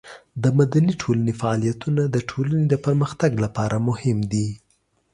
د مدني ټولنې فعالیتونه د ټولنې د پرمختګ لپاره مهم دي.